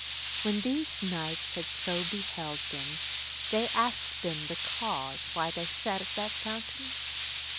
When these knights had so beheld them, they asked them the cause why they sat at that fountain?